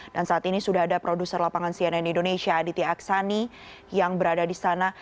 dan saat ini sudah ada produser lapangan cnn indonesia aditya aksani yang berada di sana